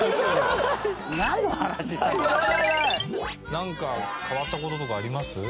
「何か変わったこととかあります？」